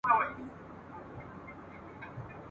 د خیر ښېګړي جذبې هم و نه غوړېدلې